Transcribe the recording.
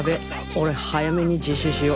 俺早めに自首しよ。